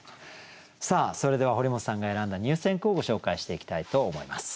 さあそれでは堀本さんが選んだ入選句をご紹介していきたいと思います。